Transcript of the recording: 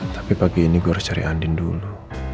tapi pagi ini gue harus cari andin dulu